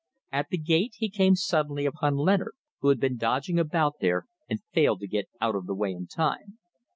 At the gate he came suddenly upon Leonard, who had been dodging about there and failed to get out of the way in time.